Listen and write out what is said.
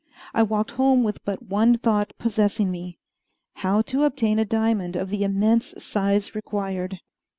I walked home with but one thought possessing me how to obtain a diamond of the immense size required.